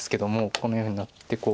このようになってこう。